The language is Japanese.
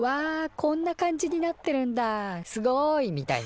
こんな感じになってるんだすごい！」みたいな。